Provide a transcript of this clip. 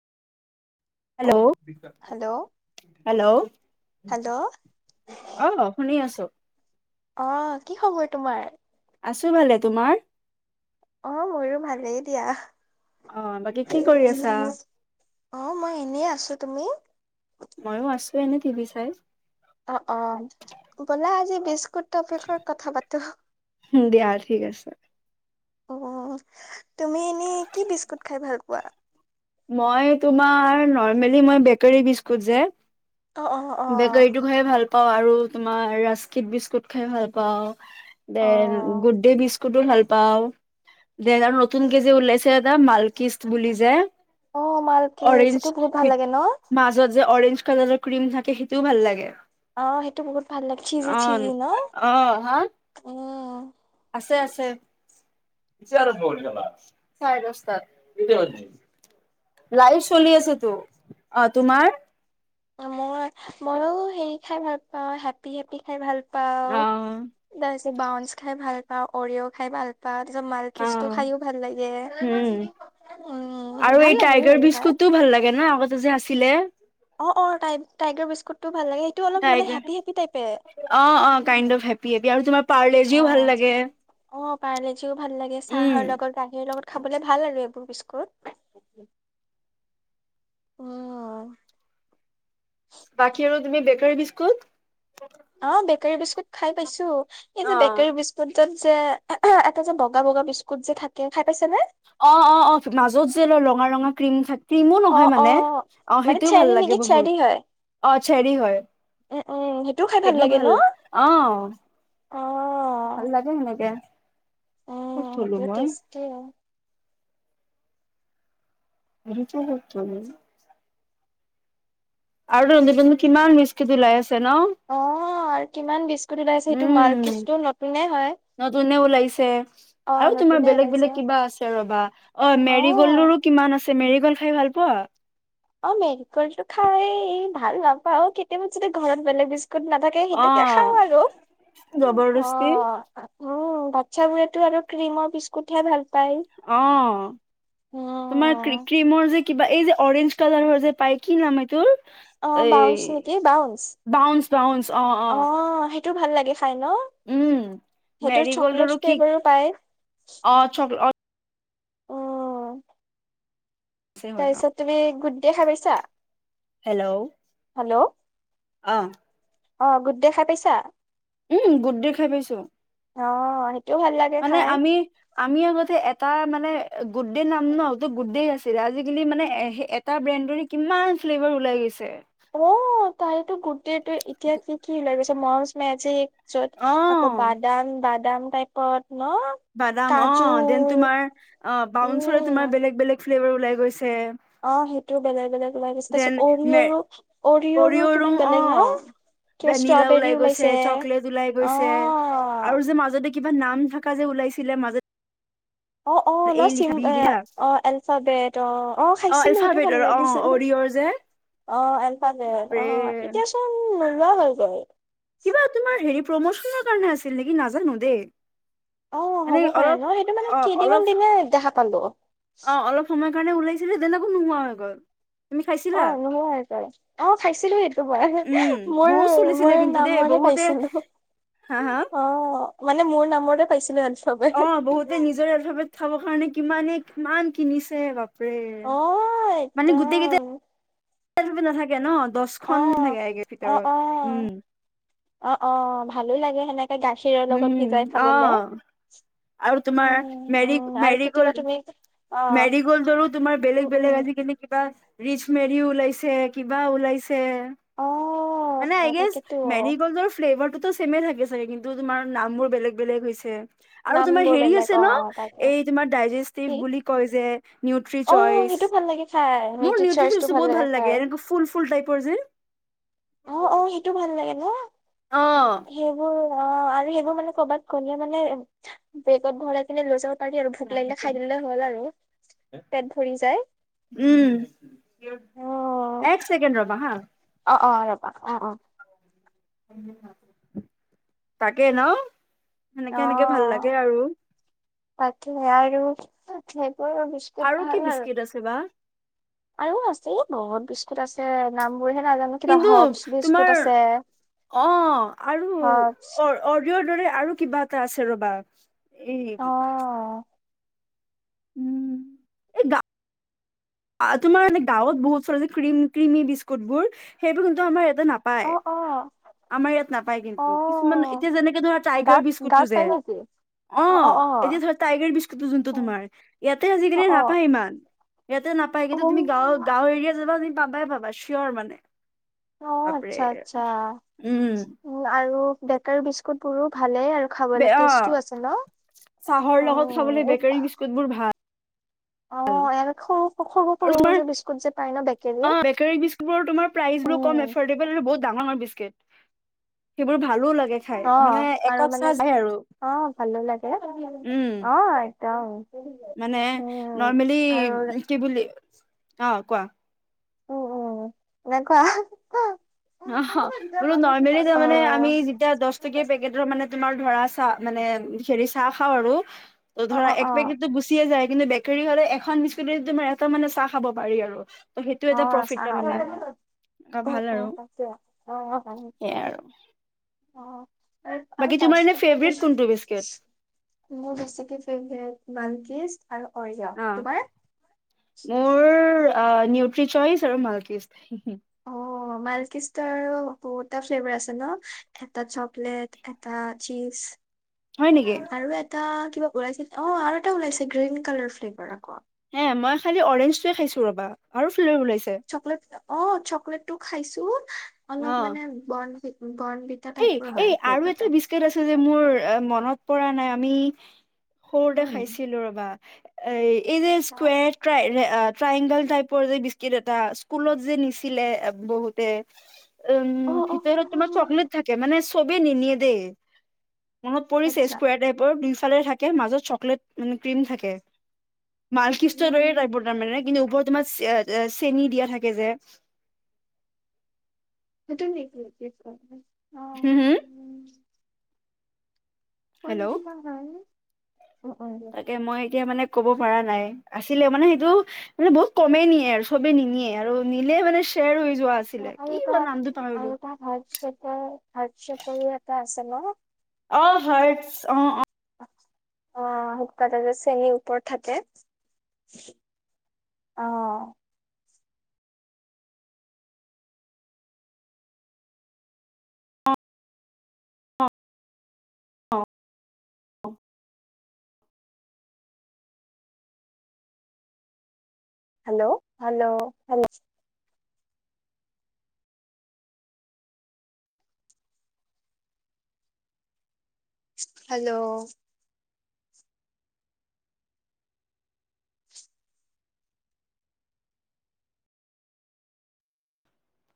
Hello, hello hello, hello, অ, শুনি আছো। অ, কি খবৰ তোমাৰ? আছোঁ ভালে। তোমাৰ? অ, মোৰো ভালেই দিয়া। অ, বাকী কি কৰি আছা? অ, মই এনেই আছো। তুমি? ময়ো আছো, এনে টিভি চাই। অ, অ, বলা আজি বিস্কুট বিষয়ে কথা পাতো? দিয়া ঠিক আছে। অ, তুমি এনেই কি বিস্কুট খাই ভাল পোৱা? মই তোমাৰ, নৰ্মেলী মই বেকাৰী বিস্কুত যে অ অ অ বেকাৰীতটো খাই ভাল অ, আৰু তোমাৰ ৰাস্কিত বিস্কুট খাই ভাল পাওঁ। অ দেন গুডদে বিস্কুট তুদ, ভাল পাওঁ। দেন আৰু নতুন কে যে ওলাইছে এটা মালকিষ্ট বুলি যে অ মালকিষ্ট। অৰেঞ্জ সিটো বহুত ভাল ফিট লাগে ন? মাজত যে অৰেঞ্জ কালাৰৰ ক্ৰীম থাকে সেইটোও ভাল লাগে। অ', সেইটো বহুত ভাল লাগ চিজি অ চিজি ন অ হা উম। আছে, আছে। চাৰত বল গল চাইদ দহটাত কেইটা বাজিল? লাইভ চলি আছেতো অ তোমাৰ মোৰ মইও হেৰি খাই ভাল পাওঁ হেপি হেপি খাই ভাল অ, তাৰ পিছত বাউন্স খাই ভাল পাওঁ অৰিয়ও খাই ভাল তাৰপিছত মালকিষ্ট টো অ', খাইও ভাল লাগে। উম উম আৰু এই ভাল লাগে টাইগাৰ সেইবো খাই বিস্কুটটোও ভাল লাগে ন আগতে যে আছ থাকিলে অ অটাই টাইগাৰ বিস্কতটো ভাল লাগে সেইটো অলপ মানে টাইগাৰ হেপী হেপি টাইপে অ অ কাইণ্ড অফ হেপী হেপী আৰু তোমাৰ পাৰ্লেজিও ভাল লাগে। অ পাৰলিজিও ভাল লাগে উম চাহৰ লগত গাখীৰ লগত। খাবলে ভাল আৰু এইবোৰ বিস্কুট উম বাকী আৰু তুমি বেকাৰী বিস্কুট অ বেকাৰী বিস্কুট খাই পাইছো এই যে অ', বেকাৰী বিস্কুট। তাত যে এটা যে বগা বগা বিস্কুট যে থাকে খাই পাইছে নে? অ অ অ মাজত যে ৰ ৰঙা ৰঙা ক্ৰীম থাক ক্ৰিমো নহয় অ', মানে অ', অ মানে সেইটোও চেৰি ভাল লাগে নেকি বহুত চেৰি হয়। অ চেৰি হয়। উম, উম, সেইটোও খাই সেইটো লাগে ন? ভাল আহ অ'। ভাল লাগে সেনেকে ক'ত থলো তাকে মই টেষ্ট দিও ৰুচ কৰত আৰু ৰন্ধু ৰন্ধু কিমান মিচ ওলাই আছে ন অ, কিমান বিস্কুট ওলাইছে সেইটো মাল উম কিছটো নতুনে হয়। নতুনে ওলাইছে অ আৰু তোমাৰ নতুনে বেলেগ ওলাইছে বেলেগ কিবা আছে ৰবা অ মেৰি গল্ডৰো। কিমান আছে মেৰি গল্ড খাই ভাল পোৱা। অ মেৰিগল্ড টো খাই ভাল নাপাও কেতিয়াবা যদি ঘৰত বেলেগ বিস্কুট নাথাকে অ সেইটোকে খাওঁ আৰু অ জবৰদস্তি উম বা্ছা বু তো আৰু ক্ৰিমৰ বিস্কুট হে ভাল পায় অ অ তোমাৰ ক্ৰিমৰ যে কিবা এই যে অৰেঞ্জ কালাৰৰ যে পায় কি নাম এইটোৰ? অ এ বাউন্স নেকি বাউন্স বাউন্চ বাউন্স অ অ সেইটো ভাল লাগে খাই ন উম সেইটো চকলেট মেৰিগল্ডৰো কি ফ্লেভাৰো পায়। অ, চকলেট উম আছে হয় তাৰপিছত তুমি গুড দে খাব পাইছা হেল্ল', হেল্ল', অ', অ', গুড দে খাই পাইছা উম গুড দি খাই পাইছোঁ। অ', সেইটোও ভাল লাগে মানে খাই আমি, আমি আগতে এটা মানে গুড দে নাম নতো গুডে আছে আছিল, আজি-কালি মানে সেই এটা ব্ৰেণ্ডৰে কিমান ফ্লেভাৰ ওলাই গৈছে। অ', তাইতো গোটেইটো এতিয়া কি কি ওলাই গৈছে মজ মেজিক। য'ত, অ আকৌ বাদাম -বাদাম টাইপত ন। বাদাম অ', কাজু দেন তোমাৰ, অ', বাউনচৰে তোমাৰ উম বেলেগ- বেলেগ ফ্লেভাৰ ওলাই গৈছে। অ', সেইটোও বেলেগ-বেলেগ ওলাই গৈছে, তাৰপিছত উমি আৰু কৰিয় ৰো অ',। কিবা ভেনিলা ষ্ট্ৰবেৰী ওলাই গৈছে, ওলাইছে চকলেট ওলাই অ গৈছে, আৰু যে মাজতে কিবা নাম থকা যে ওলাইছিলে মাজত। অ', - অ', ন এই চি লিখা বি লিখা অ', এলফাবেট অ', - অ', খাইছিলোঁ সেইটো ভাল এলফাবেটৰ অ লাগিছিল। অৰিঅ'ৰ যে অ', এলফাবেট বাপৰে অ', এতিয়া চোন নোলোৱা হৈ গ'ল। কিবা তোমাৰ হেৰি প্ৰমোচনৰ কাৰণে আছিল নেকি নাজানো দেই। অ', মানে হ'ব পাৰে অলপ ন সেইটো মানে অ অলপ কেইদিনমান দিনে দেখা পালোঁ অ'। অ', অলপ সময় কাৰণে ওলাইছিলে, তেনেকো নোহোৱা হৈ গ'ল। তুমি খাইছিলা? অ', নোহোৱা হৈ গ'ল। অ', খাইছিলো সেইটো পৰা, উম বহুত চলিছিলে মোৰ-মোৰ কিন্তু দেই নামৰে বহুতে পাইছিলোঁ। হা হা? মানে মোৰ নামৰে পাইছিলোঁ আজি। অ', বহুতে নিজৰে এলফাবেট খাবৰ কাৰণে কিমানে কিমান কিনিছে বাপৰে। ত' মানে গোটেই কেইটা নাথাকে ন, অ দহখন থাকে অ ভিতৰত, অ উম। অ', - অ', ভালো লাগে সেনেকে গাখীৰৰ লগত উম ভিজাই অ খাবলে। আৰু তোমাৰ, উম উম আৰু কেতিয়াবা মেৰি-মেৰিগ'ল্ড। তুমি অ মেৰি গ'ল্ডৰো তোমাৰ বেলেগ উম উম -বেলেগ আজি-কালি কিবা ৰিচ মেৰি ওলাইছে কিবা ওলাইছে। অ মানে আই গেছ, তাকেতো মেৰিগল্ডৰ ফ্লেভাৰটো চেমে থাকে চাগে কিন্তু তোমাৰ নামবোৰ বেলেগ-বেলেগ হৈছে। আৰু তোমাৰ নামবোৰ হেৰি বেলেগ আছে অ ন! অ তাকে এই তোমাৰ কি ডাইজেষ্টিভ বুলি কয় যে। অ নিউটিচইচ, সেইটো ভাল লাগে খাই মোৰ লিটিল নিউটি চাৰ্চটো চইচ বহুত ভাল লাগে, খাই এনে ফুল-ফুল টাইপৰ যে। অ', -অ', সেইটো ভাল লাগে ন, অ সেইবোৰ অ', আৰু সেইবোৰ মানে কৰবাত গ'লে মানে, বেগত ভৰাই এনে লৈ যাব পাৰি আৰু ভোক লাগিলে লাহেকে খাই দিলে হ'ল আৰু, পেট ভৰি যায়। উম অ এক চেকেণ্ড ৰবা হা। অ', - অ', ৰবা অ', - অ'। তাকে ন, অ সেনেকে -সেনেকে ভাল লাগে আৰু। তাকে আৰু, সেইটোৱে ভাবিছোঁ। আৰু কি বিস্কুট আছে বা? আৰু আছে বহুত বিস্কুট আছে নাম বোৰহে নাজানো। কিবা কিন্তু হপচ বিস্কুট তোমাৰ, আছে অ', আৰু হপচ অ', - অৰিঅ'ৰ দৰে আৰু কিবা এটা আছে ৰ'বা। এই অ উম, এই গা তোমাৰ এ গাঁৱত বহুত চৰ কম ক্ৰিমি বিস্কুট বোৰ সেইবোৰ কিন্তু আমাৰ ইয়াতে না পায়। অ অ আমাৰ ইয়াত নাপায় অ কিন্তু, কিছুমান এতিয়া যেনেকে ধৰা গাঁৱত টাইগাৰ গাঁৱত বিস্কুটো পাই যে। নেকি অ এতিয়া ধৰা টাইগাৰ বিস্কুটটো যোনটো অ তোমাৰ ইয়াতে অ আজিকালি নাপায় ইমান ইয়াতে নাপায় অ কিন্তু তুমি গাঁও গাঁওৰ এৰিয়াত যাবা তুমি পাবাই পাবা চিয়ৰ মানে অ বাপৰে উম উ আৰু বেকাৰী বিস্কুট বোৰো ভালেই আৰু খাবলে বে- অ টেষ্টো আছে চাহৰ ন লগত খাবলৈ অ উ [unintelligible] বোৰ ভাল ভাল এনে সৰু সৰু সৰু যে বিস্কুট যে পায় ন বেকেৰী অ বেকাৰী বিস্কুট টোৰ প্ৰাইচ বোৰ কম উম এফৰ্ডবল বহুত ডাঙৰ বিস্কুট সেইবোৰ ভালো লাগে খাই অ মানে আৰু একাপ চাহ মানে যায় আৰু অ ভালো লাগে উম অ একদম মানে উম নৰ্মেলি আৰু কি বুলি অ কোৱা উম উম এনেকুৱা অ', হ বোলো নৰ্মেলি তাৰ অ মানে আমি যেতিয়া দচ টকীয়া পে কেটৰ, মানে তোমাৰ ধৰা চা মানে হেৰি চাহ খাওঁ আৰু অ ধৰা অ এক পেকেটতো গু চিয়ে যায়, কিন্তু বেকাৰী হ'লে এখন বিস্কুতেদি তোমাৰ এটা মানে চাহ খাব পাৰি আৰু! ত', সেইটো অ অ এটা প্ৰফিট চাহ তাৰমানে, আ উম ভাল আৰু! [unintelligible] সেয়াই আৰু! অঁ! বাকী তোমাৰ এনে ফেবৰেট কোনটো বেচকে? মোৰ বেছিকে ফেভৰেট মালকিষ্ট আৰু অৰিঅ'! অ তোমাৰ? মোৰ আ নিউট্ৰি চইচ আৰু মালকিষ্ট অ'! মাইলকিষ্টাৰ বহুতটা ফ্লেভাৰ আছে ন, এটা চকলেট এটা চীজ! [inaudible] হয় নেকি? আৰু এটা কিবা ওলাইছে অ', আৰু এটা ওলাইছে গ্ৰীণ কালাৰ ফ্লেভাৰ আক'! হে মই খালি অৰেঞ্জটোৱে খাইছো ৰ'বা আৰু ফ্লেভাৰ ওলাইছে! চকলেট, অ' চকলেটটো খাইছোঁ, অলপ অ মানে বৰ্ণ, বৰ্ণ ভি টা, টাইপৰ হয় ফ্লেভাৰটো! আছ যে মোৰ মনত পৰা নাই আমি সৰুতে উম খাইছিলো ৰ'বা! আহ এই যে আচ্ছা স্কুৱেৰ ট্ৰাই ট্ৰাইংগল টাইপৰ যে বিস্কিট এটা স্কুলত যে নিছিলে বহুতে [inaudible] উম, অ অ ভিতৰত তোমাৰ চকলেট থাকে, মানে চবে নিনিয়ে দেই! মনত পৰিছে আচ্ছা স্কুয়াৰ টাইপৰ দুইফালে থাকে, মাজত চকলেট মানে ক্ৰীম থাকে! মালকিষ্টৰ দৰেই উম টাইপৰ তাৰমানে, কিন্তু ওপৰত তোমাৰ চে চেনি দিয়া থাকে যে! [unintelligible] হুম, হুম! উম! হেল্ল' কোনটো বা হয় উম উম তাকে মই এতিয়া মানে ক'ব পৰা নাই! আছিলে মানে সেইটো মানে বহুত কমেই নিয়ে আৰু চবেই নিনিয়ে আৰু নিলে মানে সেৰ হৈ যোৱা আছিলে কি বা নামটো পাহৰিলোঁ! [unintelligible] ভাত চ কৰি আটা আছে ন! অ', হয়, অ', অ' অ', সুতকাত যে চেনি ওপৰত থাকে। অ'। অ'। Hello, hello, hello. হেল্ল'।